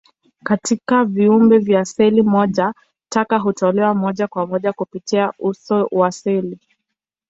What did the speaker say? Katika viumbe vya seli moja, taka hutolewa moja kwa moja kupitia uso wa seli.